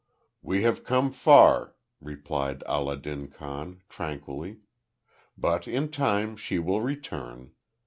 "We have come far," replied Allah din Khan, tranquilly, "but in time she will return.